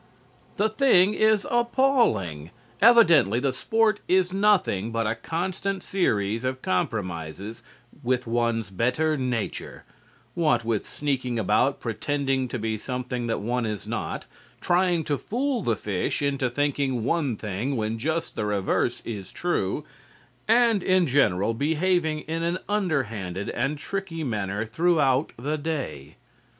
The thing is appalling. Evidently the sport is nothing but a constant series of compromises with one's better nature, what with sneaking about pretending to be something that one is not, trying to fool the fish into thinking one thing when just the reverse is true, and in general behaving in an underhanded and tricky manner throughout the day.